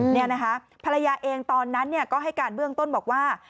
นี่นะคะภรรยาเองตอนนั้นก็ให้การเบื้องต้นบอกว่า